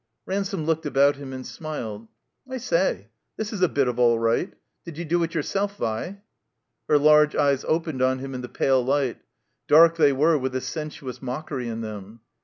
Ransome looked about him and smiled. "I s^, this is a bit of all right. Did you do it yourself, Vi?" Her large eyes opened on him in the pale Ught; dark they were with a sensuous mockery in them.